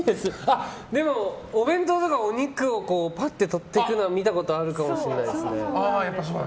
でも、お弁当とかお肉をぱって取っていくのは見たことあるかもしれないですね。